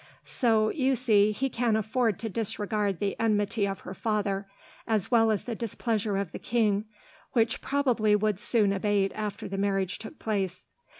So, you see, he can afford to disregard the enmity of her father, as well as the displeasure of the king, which probably would soon abate after the marriage took place.